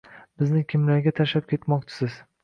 Bizni kimlarga tashlab ketmoqchisiz